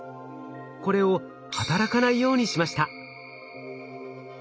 これを働かないようにしました。